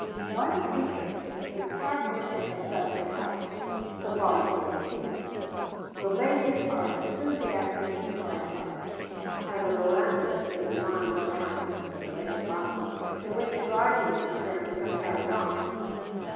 One feature is characteristic of Southern houses, so far as we have seen. The ladies are enthusiastic plant lovers; and the veranda is lined round with an array of boxes in which gardening experiments are carried on.